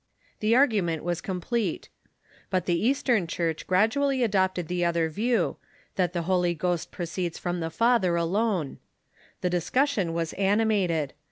Tjje argument was complete. But the Eastern Church gradually adopted the other view — that the Holy Ghost proceeds from the Father alone. The discus sion was animated.